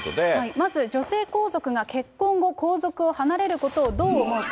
まず女性皇族が結婚後、皇族を離れることをどう思うか。